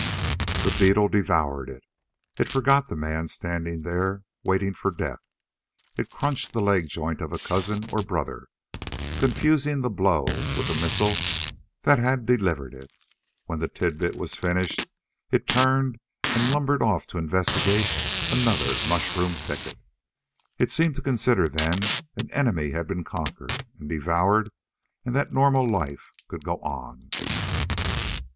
The beetle devoured it. It forgot the man standing there, waiting for death. It crunched the leg joint of a cousin or brother, confusing the blow with the missile that had delivered it. When the tidbit was finished it turned and lumbered off to investigate another mushroom thicket. It seemed to consider then an enemy had been conquered and devoured and that normal life could go on.